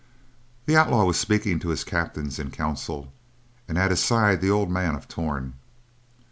The outlaw was speaking to his captains in council; at his side the old man of Torn.